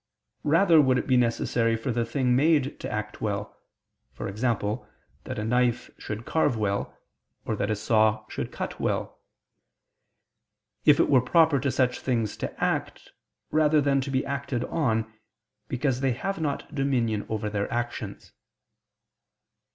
Rather would it be necessary for the thing made to act well (e.g. that a knife should carve well, or that a saw should cut well), if it were proper to such things to act, rather than to be acted on, because they have not dominion over their actions.